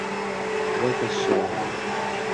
Voy poshsha-a-a!